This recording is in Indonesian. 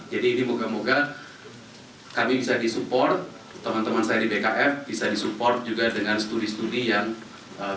jadi ini moga moga kami bisa disupport teman teman saya di bkf bisa disupport juga dengan studi studi yang berlaku